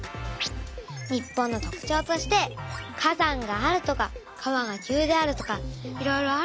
日本の特ちょうとして「火山がある」とか「川が急である」とかいろいろあるんだよ。